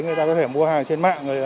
người ta có thể mua hàng trên mạng